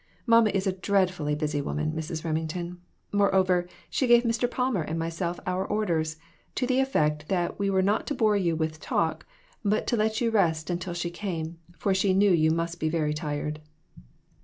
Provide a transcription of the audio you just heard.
Mamma is a dreadfully busy woman, Mrs. Remington. Moreover, she gave Mr. Palmer and myself our orders, to the effect that we were not to bore you with talk, but to let you rest until she came, for she knew you must be very tired."